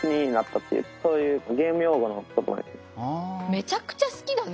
めちゃくちゃ好きだね